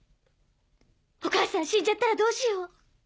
お母さん死んじゃったらどうしよう！